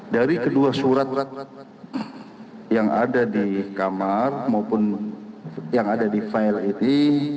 dari kedua surat yang ada di kamar maupun yang ada di file ini